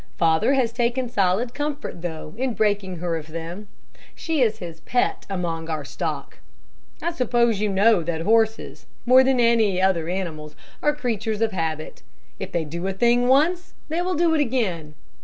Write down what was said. Father has taken solid comfort though, in breaking her of them. She is his pet among our stock. I suppose you know that horses, more than any other animals, are creatures of habit. If they do a thing once, they will do it again.